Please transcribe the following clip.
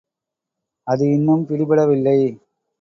அது இன்னும் பிடிபடவில்லை.